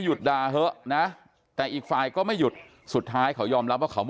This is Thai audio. ด่าเถอะนะแต่อีกฝ่ายก็ไม่หยุดสุดท้ายเขายอมรับว่าเขา